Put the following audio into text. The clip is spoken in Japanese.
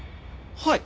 はい。